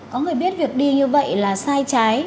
có người biết việc đi như vậy là sai trái